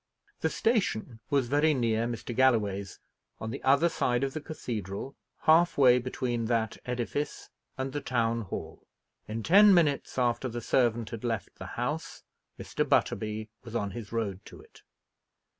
The station was very near Mr. Galloway's; on the other side of the cathedral, halfway between that edifice and the town hall. In ten minutes after the servant had left the house, Mr. Butterby was on his road to it.